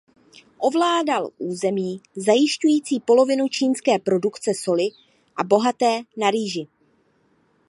Ovládal území zajišťující polovinu čínské produkce soli a bohaté na rýži.